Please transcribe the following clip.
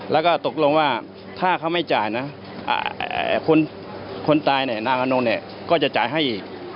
แล้วก็ตกลงว่าถ้าเขาไม่จ่ายนะคนตายเนี่ยนางอนงเนี่ยก็จะจ่ายให้